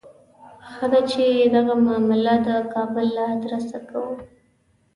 ښه ده چې دغه معامله د کابل له آدرسه کوو.